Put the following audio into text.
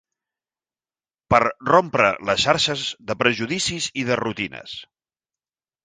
Per rompre les xarxes de prejudicis i de rutines